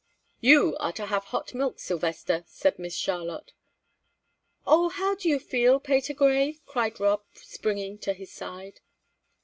"You are to have hot milk, Sylvester," said Miss Charlotte. "Oh, how do you feel, Patergrey?" cried Rob, springing to his side.